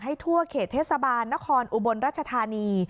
ทั่วเขตเทศบาลนครอุบลรัชธานี